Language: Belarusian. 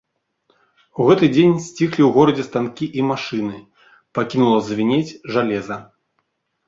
У гэты дзень сціхлі ў горадзе станкі і машыны, пакінула звінець жалеза.